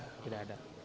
oh tidak ada